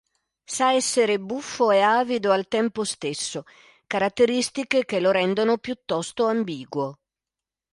Sa essere buffo e avido al tempo stesso, caratteristiche che lo rendono piuttosto ambiguo.